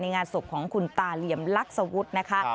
งานศพของคุณตาเหลี่ยมลักษวุฒินะคะ